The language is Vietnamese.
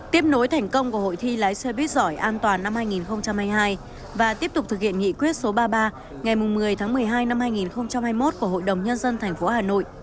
tiếp nối thành công của hội thi lái xe buýt giỏi an toàn năm hai nghìn hai mươi hai và tiếp tục thực hiện nghị quyết số ba mươi ba ngày một mươi tháng một mươi hai năm hai nghìn hai mươi một của hội đồng nhân dân tp hà nội